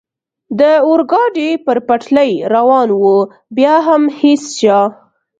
د اورګاډي پر پټلۍ روان و، بیا هم هېڅ چا.